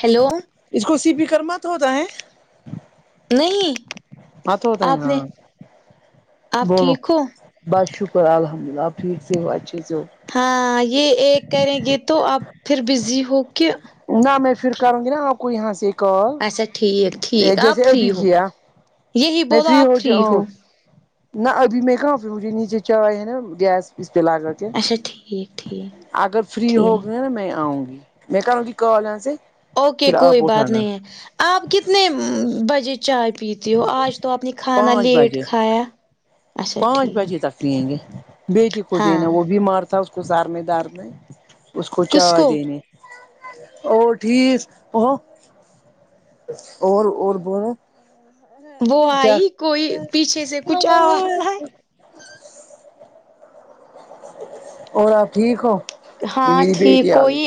hello اس کو C P کرما تو ہوتا ہے نہیں ہاں تو ہوتا ہے آپ ہ نے آپ بولو ٹھیک ہو بس شکر الحمد ل اللہ آپ ٹھیک سے ہو اچھے سے ہو ہاں یہ ایک کریں گے تو اب پھر بزی ہو کے نہ میں پھر کروں گی نا آپ کو یہاں سے کال اچھا ٹھیک ٹھیک جیسے آپ ابھی فری ہو کیا یہی میں بولو فری آپ ہو جاؤ ہ نہ ابھی میں کہاں پھر مجھے نیچے چائےائے ہے نا گیس اس پہ لا کر کے اچھا ٹھیک ٹھیک اگر فری ہو ٹھیک گا نا میں آؤں گی میں کرونگی کال یہاں سے اوکے پھر کوئی آپ بات اٹھانا نہیں ہے آپ کتنے بجے چائے پیتی ہو آج تو آپ نے کھانا پانچ لیٹ بجے کھایا اچھا پانچ بجے ٹھیک تک لیں گے بیٹی کو ہاں دینا وہ بھی مارتا اس اس کو سر میں درد ہے اس کو چائے دینی ہے اور ٹھیک وہ اور اور بولو وہ کیا آئی کوئی پیچھے سے کچھ مجھے آواز نہیں آئے اور آپ ٹھیک ہو یہ ہاں میری ٹھیک بیٹی آ گئی کوئی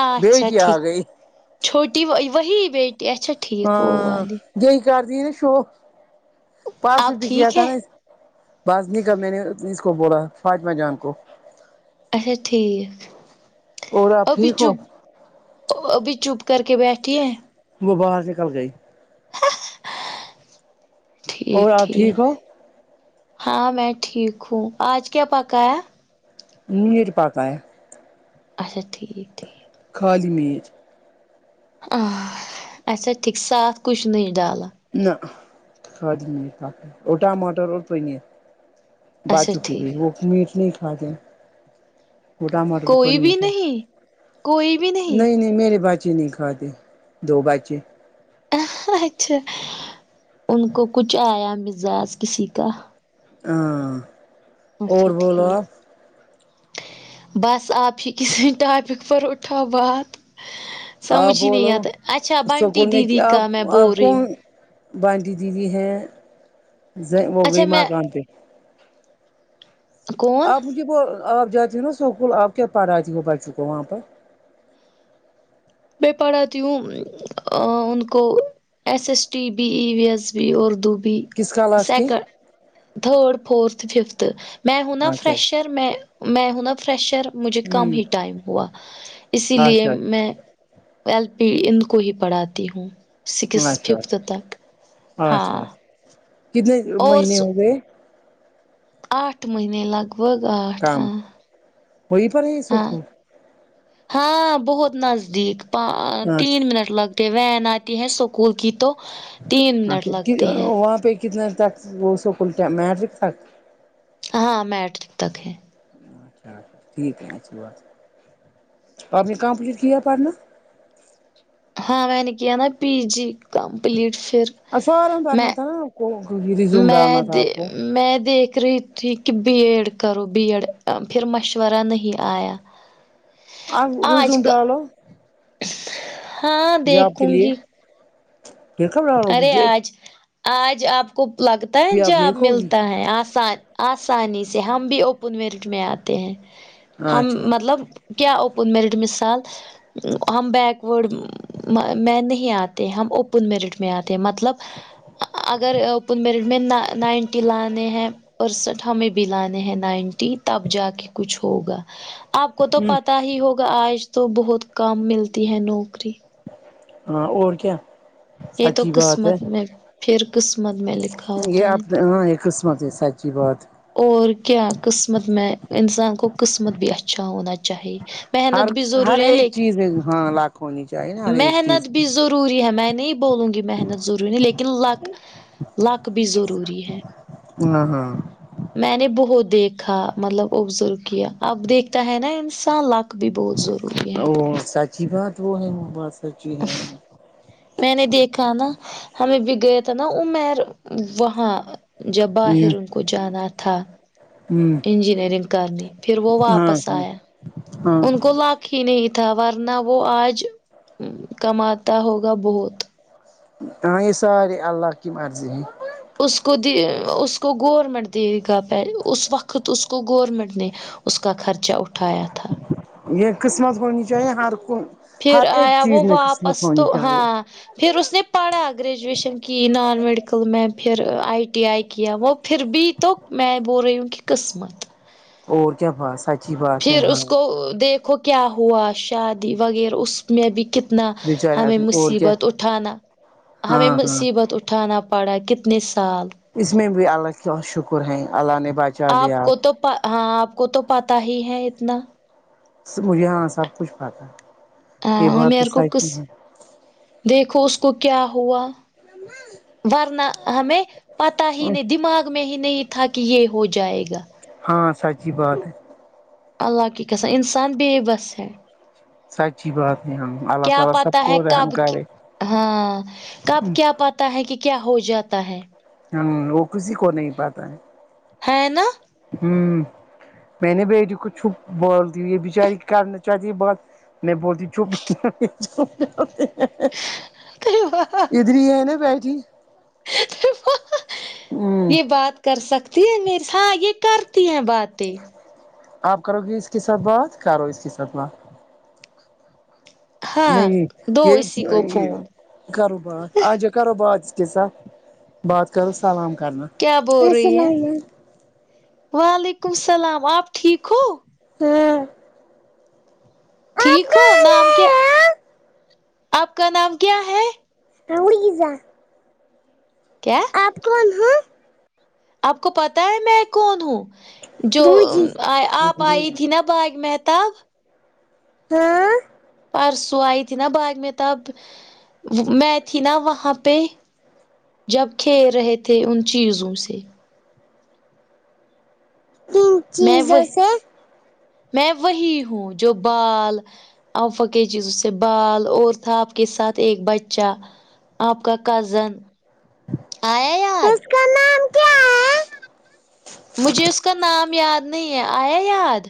اچھا بیٹی آ ٹھیک گئی چھوٹی و وہی بیٹی اچھا ٹھیک وہ ہاں والی دی کر دی نا شو آپ پرسوں بھی کیایا ٹھیک تھا ہے نا باز نہیں کر میں نے اس کو بولا فاطمہ جان کو اچھا ٹھیک اور آپ ابھی ٹھیک ہو چب وہ ابھی چپ کر کے بیٹھی ہے وہ باہر سےکل گئی ٹھیک اور آپ ٹھیک ہو ہاں میں ٹھیک ہوں آج کیا پکایا پنیر پکایا اچھا ٹھیک ٹھیک کھا لی لیے اچھا ٹھیک صاف کچھ نہ ڈالا نہ خالی یہ تھا اور ٹماٹر اور پنیر اچھا بچوں کے ٹھیک لیے وہ میٹ نہیں کھاتے وہ ٹماٹر کوئی پنیر بھی نہیں کوئی بھی نہیں نہیں میرے ب چے نہی کھاتے دو بچے اچھا ان کو کچھ آیا مزاج کسی کا ہاں اچھا اور بولو ٹھیک آپ بس آپ ہی کسی ٹاپک پر اٹھاؤ بات آپ سمجھ ہی نہیں بولو آتا اچھا بنٹی دیدی کا میں بول رہی ہوں بنٹی دیدی ہیں ز وہ اچھا گئی میں مکان پہ کون آپ مجھے وہ آپ جاتی ہو نا اسکول آپ کیا پڑھاتی ہو بچوں کو وہاں پر میں پڑھاتی ہوں ا ان کو S S T B E V S بھی اردو بھی کس کلاس کے سکن تھرڈ فورتھ ففتھ میں ہوں نہ اچھا فریشر میں میں ہوں نا فریشر مجھے کم ہی ٹائم ہوا اسی لیے اچھا میں ایل پی ان کو ہی پڑھاتی ہوں سکس اچھا اچھا ففتھ تک ہاں اچھا اچھا کتنے اور مہینے ہو گئے آٹھ مہینے لگ بھگ آٹھ کام ہاں وہی پر ہے ہاں سکول ہاں بہت نزدیک ا ں تین اچھا منٹ لگ کے وین آتی ہے اسکول کی تو تین منٹ لگتے ہاں ہیں وہاں پہ کتنے تک وہ اسکول میٹرک تک ہاں میٹرک تک ہے اچھا ٹھیک ہے اچھی بات ہے آپ نے کمپلیٹ کیا پڑھنا ہاں میں نے کیا نا پی جی کمپلیٹ پھر ا پڑتا میں تھا ںا [unintelligible] میں دے میں دیکھ رہی تھی کہ بی ایڈ کرو بی ایڈ پھر مشورہ نہیں آیا آ روزو آج کا ڈالو ہاں یہ آپ کے دیکھوں لیے گی پھر کب ڈالو ارے گی آج آج آپ کو لگتا ہے بھی آپ جاب دیکھو گی ملتا ہے آسان آسانی سے ہم بھی اوپن میرٹ میں آتے ہیں ہم اچھا مطلب کیا اوپن مییرٹ مثال ہم بیکورڈ میں نہیں آتے ہم اوپن میرٹ مے آتے ہے مطلب اگر پن میرٹ میں نائنٹی لانے ہیں پرسنٹ ہمیں بی لانے ہیں نائنٹی تب جا کے کچھ ہوگا آپ کو تو ہ پتا ہی ہوگا آج تو بہت کم ملتی ہے نوکری ہاں اور کیا یے تو سچی بات قسمت میں پھر قسمت میں لکھ یے اپنے ہاں یے قسمت ہے سچی بات اور کیا قسمت میں انسان کو قسمت بھی اچھا ہونا چاہیے ہر محنت بھی ہر ضروری ہے ایک لیکن چیز میں ہاں ہونی چاہیے نا ہر ایک چیز محنت بھی ضروری ہے میں نہیں بولوں گی محنت ضروری لیکن لک لک بھی ضروری ہے نا ہاں میں نے بہت دیکھا مطلب ابزرو کیا اب دیکھتا ہے نا انسان لگ او سچی بات وہ ہے وہ بات سچی ہے میں نے دیکھا نا ہمیں بھی گیا تھا نا امیر وہاں جب ہ باہر ان کو جانا تھا ہ انجینئرنگ کرنی پھر وہ ہاں واپس ہ آیا ہاں ان کو لاک ہی نہیں تھا ورنہ وہ آج کماتا ہوگا بہت ہاں یے سارے اللہ کی مرضی ہے اس کو اس کو گورمنٹ دے گا پے اس وقت اس کو گورنمنٹ نے اس کا خرچہ اٹھایا تھا یے قسمت ہونی چاہیے ہر کو ہر پھر ایک آیا وہ چیز میں واپس قسمت ہونی تو چاہیے ہاں پھر اس نے پڑھا گریجویشن کی نان میڈیکل میں پھر آئی ٹی آئی کیا وہ پھر بھی تو میں بول رہی ہوں کی قسمت اور کیا بس سچ پھر اس کو دیکھو کیا ہوا شادی وغیرہ اس میں بھی کتنا بیچارے ہمیں آدمی اور کیا مصیبت اٹھانا ہمیں ہاں ہاں مصیبت اٹھ اٹھانا پڑا کتنے سال اس میں بھی اللہ کا شکر ہیں اللہ نے بات آپ کو تو ہاں آپ کو تو پتہ ہی ہے اتنا مجھے ہاں سب کچھ پتہ ہے ہاں عمر کو کس دیکھو اس کو کیا ہوا ورنہ ہمیں پتہ ہی نہیں دماغ میں ہی نہیں تھا کی یے ہو جائے گا ہاں سچی بات ہے اللہ کی قسم انسان بے بس ہے سچی بات ہے ہم اللہ کیا تعالی سب پتا ہے کو رحم کب کی- کرے ہاں کب کیا پتہ ہے کی کیا ہو جاتا ہے ہمم وہ کسی کو نہیں پتہ ہے ہے نا ہوں میں نے بیٹی کو چپ بول دی یہ بچاری کرنا چاہتی بات نہیں بولتی چپ چپ تھی وہاں فری ہے نہ باجی ہ یہ بات کر سکتی ہے م ہاں یہ کرتی ہیں بات آپ کرو گی اس کے ساتھ بات کرو اس کے ساتھ بات ہاں نہیں دو یہ اسی کو یہ فون کرو بات آ جا کرو بات اس کے ساتھ بات کرو سلام کرنا کیا بول رہی ہے وعلیکم سلام آپ ٹھیک ہو ہاں ٹھیک آپ ہو کہاں نام کیا گئے آپ کا نام کیا ہے [unintelligible] کیا آپ کون ہو آپ کو پتا ہے میں کون ہوں جو بوجی ا آپ آئی تھی نا بغ مہتاب ہاں پرسوں ائی تھی نا باغ مہتاب میں تھی نا وہاں پے جب کھیل رہے تھے ان چیزوں سے [unintelligible] میں وہ سے میں وہی ہوں جو بال افا کی چیزوں سے بال اور تھاپ کے ساتھ ایک بچہ آپ کا کزن آیا یاد اس کا نام کیا ہے مجھے اس کا نام یاد نہیں ہے آیا یاد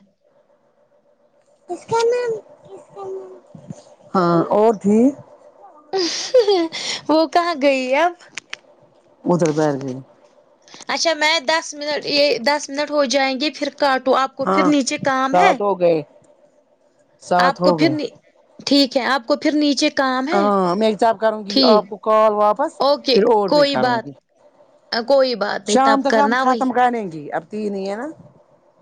ہاں اور تھی وہ کہاں گئی اب ادھر بیٹھ گئے اچھا میں دس منٹ یہ دس منٹ ہو جائیں گے پھر کاٹو آپ کو پھر ہاں نیچے کام ہے سات ہو گئے آپ سات کو ہو پھر گئے نی ٹھیک ہے آپ کو پھر نیچے کام ہے ہاں میں جب کروں گی ٹھیک آپ کو کال واپس اوکے پھر ااور میں کوئی کروں بات گی کوئی بات نہیں شام تب تک ہم کرنا وہی ختم کریں گی اب تین ہی ہے نہ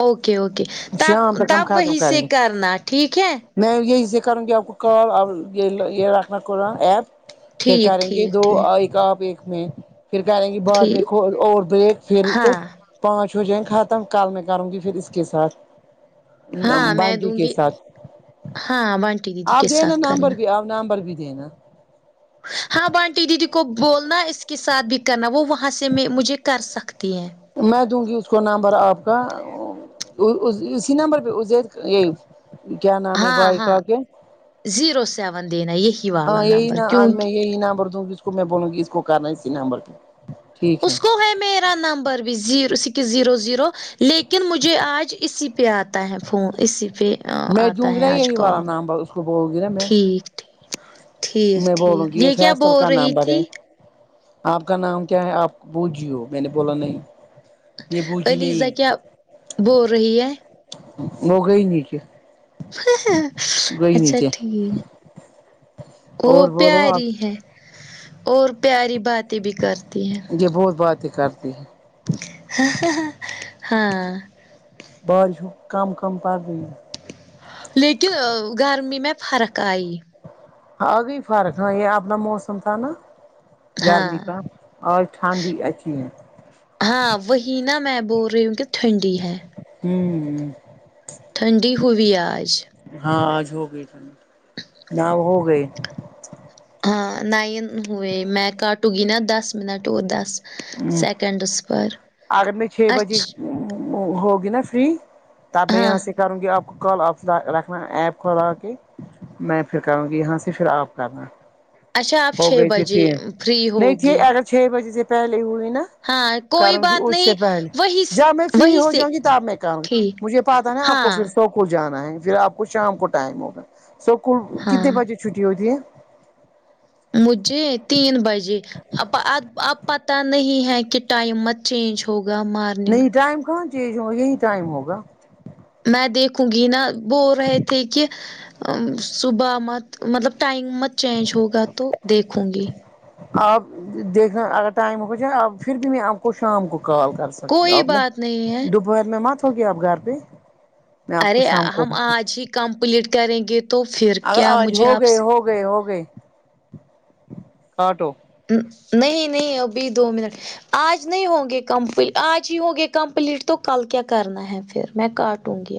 اوکے اوکے تب تب وہیں سے کریں گے کرنا ٹھیک ہے میں یہی سے کروں کہ آپ کو کال آپ یہ یہ رکھنا کھلا ایپ پھر ٹھیک کرریں گے ٹھیک دو ٹھیک ایک آپ ایک میں پھر کریں گے بعد میں ٹھیک اور بریک پھر تو ہاں پانچ و جائیں ختم کل میں کروں گی پھر اس کے ساتھ ہاں میں بانٹی دوں کے گی ساتھ ہاں بانٹی دیدی کے آپ دییے نا ساتھ نمبر کرنا بھی آپ نمبر بھی دینا ہاں بانٹی دیدی کو بولنا اس کے ساتھ بھی کرنا وہ وہاں سے میں مجھے کر سکتی ہیں میں دوں گی اس کو نمبر آپ کا آ و اسی نمبر پہ اید یہ کیا نام ہے ہاں بھائی کا ہاں آپ کے زیرو سیون دینا یہ ہاں یہی نا آج میں یہی نمبر دوں گ جس کو میں بولوںی اس کو کرنا ہے اسی نمبر ٹھیک اس ہے کو بھی میرا نمبر بھی زیرو سکس زیرو زیرو لیکن مجھے آج اسی پے آتا ہے فون اسی پے میں آتا دوں گی ہے نا آج یہی کل والا نمبر اس کو بولوں گی نا میں ٹھیک ٹھیک میں ٹھیک بولوں ٹھیک گی یہ کیا فیصل بول کا رہی نمبر ہے تھی آپ کا نام کیا ہے آپ بھیجو میں نے بولا نہیں یہ بوجی علیزہ نہیں کیا بول رہی ہے وہ گئی نہیں کیا اچھا نیچے ٹھیک وہ اور بولو پیاری آپ ہے اور پیاری باتیں بھی کر یے بہت باتیں کرتی ہے ہاں بازو کم کم پڑری لیکن گرمی میں فرق آئی ابھی فرق نہیں ہے اپنا موسم تھا نا گرمی ہاں کا آج ٹھنڈی اچھی ہے ہاں وہی نا میں بول رہی ہوں کی ٹھنڈی ہے ہمم ٹھنڈی ہوئی آج ہاں آج ہوگئی ٹھنڈی یہاں ہو گئ ہاں نائن ہوئے میں کٹ ٹو گی نا دس منٹ اور دس سیکنڈس پر اگر میں چھ اچ بجے ہوگی نا فری تب میں ہاں یہاں سے کروں گی آپ کال آف رکھنا ایپ کھولا رکھیے میں پھر کروں گی یہاں سے پھر آپ کرنا اچھا آپ ہو چھ گئی پھر بجے فری [unintelligible] نہیں تھی ہوگی اگر چھ بجے سے پہلے ہوئی نا ہاں کوئی کروں گی بات اس نہیں سے پہلے وہی جب میں فری وہی ہو سے جو گی تب میں کروں گی ٹھیک مجھے پتہ نہیں آپ کو ہاں پھر سو کو جانا ہے پھر آپ کو شام کو ٹائم ہوگا سب کو ہاں کتنے بجے چھٹی ہوتی ہے مجھے تین بجے اب اب پتہ نہیں ہے کہ ٹائم مت چینج ہوگا مار نہیں ٹائم کہاں چینج ہوا یہی ٹائم ہوگا میں دیکھوں گی نا بول رہے تھے کہ صبح مت مطلب ٹائم مت چینج ہوگا تو دیکھوں گی آپ دیکھنا اگر ٹائم ہو جائے اب پھر بھی میں آپ کو شام کو کال کر کوئی سکتے بات نہیں ہے دوپہر میں مت ہوگی آپ گھر پے ارے ہم آج ہی کمپلیٹ کریں گے تو پھر اگر کیا آج مجھے ہو آپ گئے سے ہو گئے ہو گئے کاٹو نہیں نہیں ابھی دو منٹ آج نہیں ہوں گے کمپلی آج ہی ہوں گے کمپلیٹ تو کل کیا کرنا ہے پھر میں کاٹوں گی